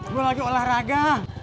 gue lagi olahraga